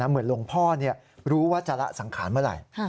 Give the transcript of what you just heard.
เหมือนหลวงพ่อรู้ว่าจะละสังขารเมื่อไหร่